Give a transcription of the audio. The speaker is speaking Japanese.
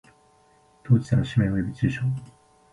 当事者の氏名及び住所